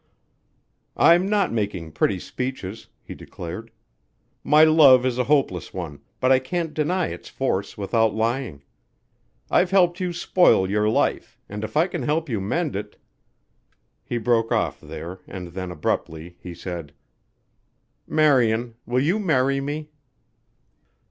"I'm not making pretty speeches," he declared. "My love is a hopeless one, but I can't deny its force without lying. I've helped you spoil your life and if I can help you mend it " He broke off there and then abruptly he said: "Marian, will you marry me?"